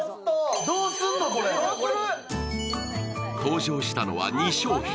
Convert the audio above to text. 登場したのは２商品。